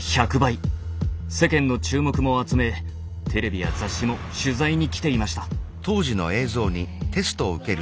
世間の注目も集めテレビや雑誌も取材に来ていました。